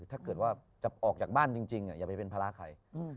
ถ้าออกจากบ้านจริงอย่าไปเป็นภาระใคร